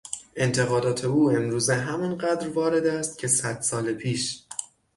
انتقادات او امروزه همانقدر وارد است که صد سال پیش.